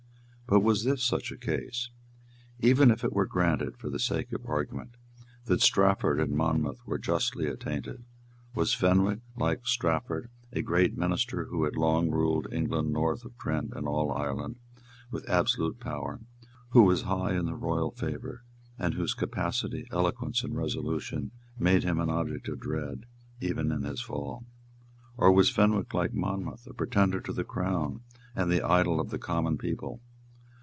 But was this such a case? Even if it were granted, for the sake of argument, that Strafford and Monmouth were justly attainted, was Fenwick, like Strafford, a great minister who had long ruled England north of Trent, and all Ireland, with absolute power, who was high in the royal favour, and whose capacity, eloquence and resolution made him an object of dread even in his fall? Or was Fenwick, like Monmouth, a pretender to the Crown and the idol of the common people?